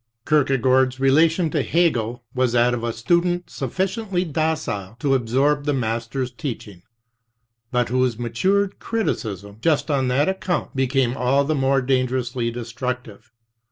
Kierkegaard's relation to Hegel was that of a student suf ficiently docile to absorb the master's teaching, but whose matured criticism just on that account became all the more 14 dangerously destructive.